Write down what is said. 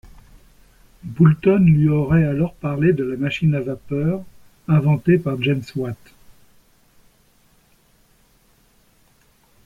Boulton lui aurait alors parlé de la machine à vapeur inventée par James Watt.